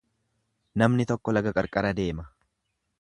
Namni tokko laga qarqara deema.